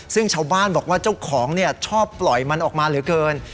ซึ่งชาวบ้านบอกว่าเจ้าของชอบปล่อยมันออกมาเหลือเกิน